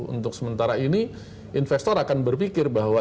untuk sementara ini investor akan berpikir bahwa